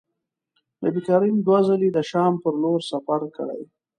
نبي کریم دوه ځلي د شام پر لوري سفر کړی.